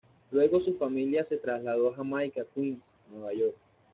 Luego su familia se trasladó a Jamaica, Queens, Nueva York.